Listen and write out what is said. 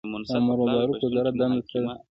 د امربالمعروف وزارت دنده څه ده؟